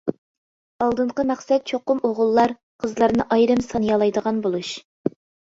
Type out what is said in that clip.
ئالدىنقى مەقسەت چوقۇم ئوغۇللار، قىزلارنى ئايرىم سانىيالايدىغان بولۇش.